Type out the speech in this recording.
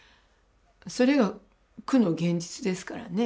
それが苦の現実ですからね